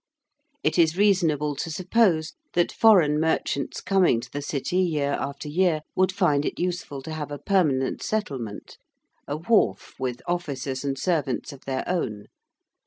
It is reasonable to suppose that foreign merchants coming to the City year after year would find it useful to have a permanent settlement a wharf with officers and servants of their own.